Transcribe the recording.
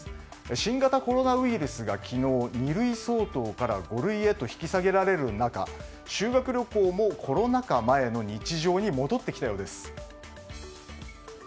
新型コロナウイルスが昨日２類相当から５類へと引き下げられる中修学旅行もコロナ禍前の日常に戻ってきたようです。